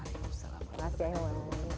waalaikumsalam warahmatullahi wabarakatuh